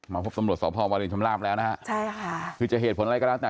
มาพบตำรวจสอบพ่อวาลีนชำลาบแล้วนะคะ